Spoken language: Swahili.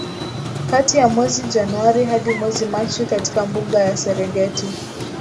kati ya mwezi Januari hadi mwezi Machi katika mbuga ya Serengeti